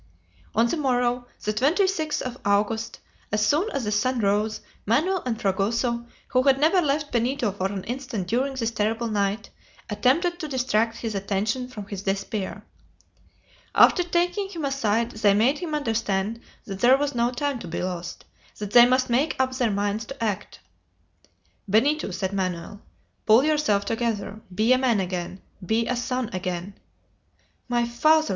On the morrow, the 26th of August, as soon as the sun rose, Manoel and Fragoso, who had never left Benito for an instant during this terrible night, attempted to distract his attention from his despair. After taking him aside they made him understand that there was no time to be lost that they must make up their minds to act. "Benito," said Manoel, "pull yourself together! Be a man again! Be a son again!" "My father!"